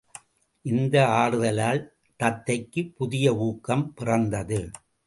இந்த ஆறுதலால் தத்தைக்குப் புதிய ஊக்கம் பிறந்தது.